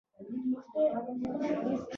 هغه په پای کې وویل زه حیران یم